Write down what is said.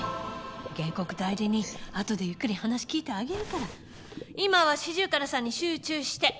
原告代理人後でゆっくり話聞いてあげるから今はシジュウカラさんに集中して！